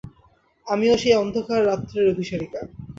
আমিও সেই অন্ধকার রাত্রির অভিসারিকা।